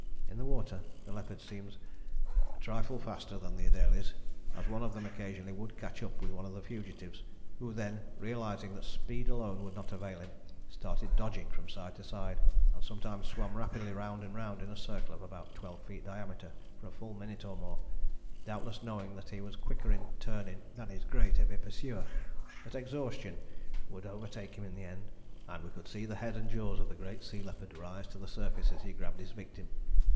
In the water the leopard seems "a trifle faster than the Adélies, as one of them occasionally would catch up with one of the fugitives, who then, realizing that speed alone would not avail him, started dodging from side to side, and sometimes swam rapidly round and round in a circle of about twelve feet diameter for a full minute or more, doubtless knowing that he was quicker in turning than his great heavy pursuer, but exhaustion would overtake him in the end, and we could see the head and jaws of the great sea leopard rise to the surface as he grabbed his victim.